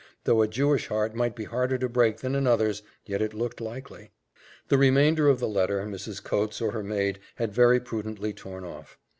though a Jewish heart might be harder to break than another's, yet it looked likely." The remainder of the letter, Mrs. Coates, or her maid, had very prudently torn off.